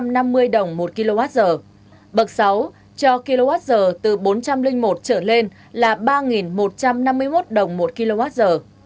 là ba năm mươi đồng một kwh bậc sáu cho kwh từ bốn trăm linh một trở lên là ba một trăm năm mươi một đồng một kwh